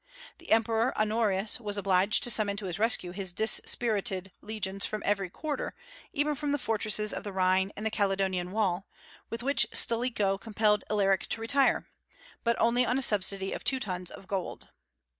The Emperor Honorius was obliged to summon to his rescue his dispirited legions from every quarter, even from the fortresses of the Rhine and the Caledonian wall, with which Stilicho compelled Alaric to retire, but only on a subsidy of two tons of gold.